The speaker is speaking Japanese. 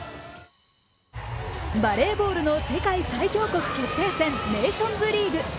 バレーボールの世界最強国決定戦、ネーションズリーグ。